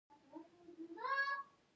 ایا ستاسو شعرونه ولسي دي؟